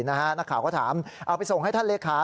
นักข่าวก็ถามเอาไปส่งให้ท่านเลขา